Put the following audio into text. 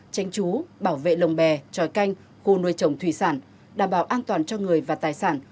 tranh trú bảo vệ lồng bè tròi canh khu nuôi trồng thủy sản đảm bảo an toàn cho người và tài sản